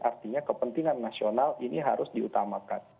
artinya kepentingan nasional ini harus diutamakan